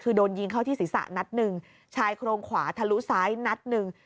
คือโดนยิงเข้าที่ศีรษะนัดหนึ่งชายโครงขวาทะลุซ้ายนัดหนึ่ง